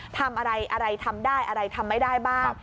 ทำอะไรทำได้ทำไม่ได้บ้าง